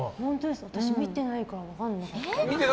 私、見てないから分かんないです。